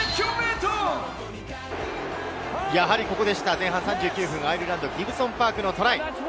前半３９分、アイルランド、ギブソン＝パークのトライ。